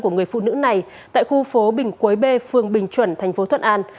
của người phụ nữ này tại khu phố bình quấy b phường bình chuẩn tp thuận an